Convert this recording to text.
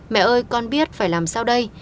mẹ ơi con biết phải làm sao đây